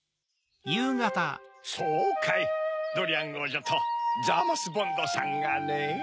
そうかいドリアンおうじょとザーマス・ボンドさんがねぇ。